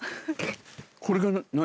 これが何？